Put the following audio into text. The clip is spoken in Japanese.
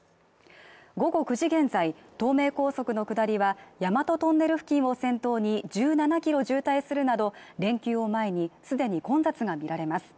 午後９時現在、東名高速の下りは大和トンネル付近を先頭に１７ｋｍ渋滞するなど連休を前にすでに混雑が見られます